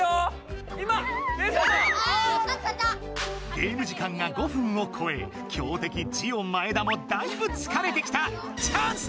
ゲーム時間が５分をこえ強敵ジオ前田もだいぶつかれてきた！